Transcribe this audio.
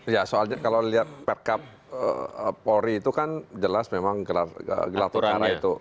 ya soalnya kalau lihat perkap polri itu kan jelas memang gelar perkara itu